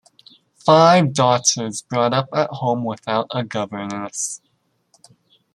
Five daughters brought up at home without a governess!